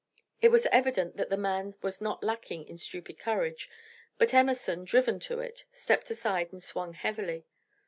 It was evident that the man was not lacking in stupid courage, but Emerson, driven to it, stepped aside, and swung heavily.